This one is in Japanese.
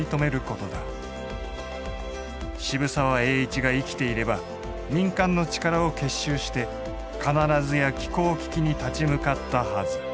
渋沢栄一が生きていれば民間の力を結集して必ずや気候危機に立ち向かったはず。